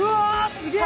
すげえ！